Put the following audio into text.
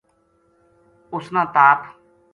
اس نا تاپ